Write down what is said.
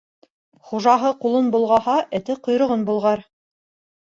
Хужаһы ҡулын болғаһа, эте ҡойроғон болғар.